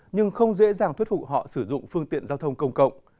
nhưng không dễ dàng thuyết phục họ sử dụng phương tiện giao thông công cộng